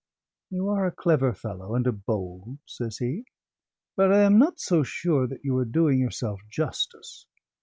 "You are a clever fellow and a bold," says he, "but I am not so sure that you are doing yourself justice.